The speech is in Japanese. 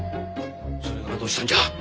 それがどうしたんじゃ？